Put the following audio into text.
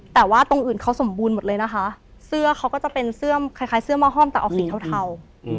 แต่ว่าตรงอื่นเขาสมบูรณ์หมดเลยนะคะเสื้อเขาก็จะเป็นเสื้อคล้ายเสื้อม่อห้อมแต่ออกสีเทา